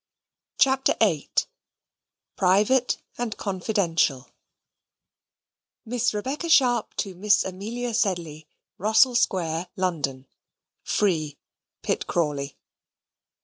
CHAPTER VIII Private and Confidential Miss Rebecca Sharp to Miss Amelia Sedley, Russell Square, London. (Free. Pitt Crawley.)